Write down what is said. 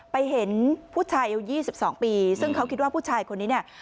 เห็นผู้ชายอายุ๒๒ปีซึ่งเขาคิดว่าผู้ชายคนนี้เนี่ย